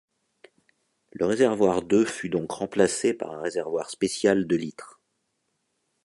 Le réservoir de fut donc remplacé par un réservoir spécial de litres.